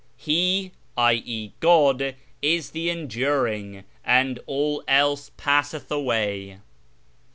" He (i.e. God) is the Enduring, and all else passeth away."